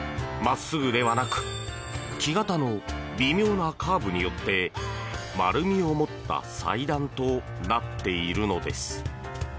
職人の田中さんが切った布をよく見ると真っすぐではなく木型の微妙なカーブによって丸みを持った裁断となっているのです。